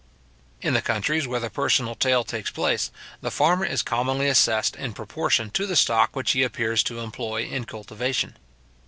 In the countries where the personal taille takes place, the farmer is commonly assessed in proportion to the stock which he appears to employ in cultivation.